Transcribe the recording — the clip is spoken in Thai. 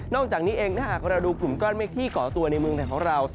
นอกจากนี้เองในห้าความราดูคลุมก้อนเมกที่ก่อตัวในเมืองไทยของเรา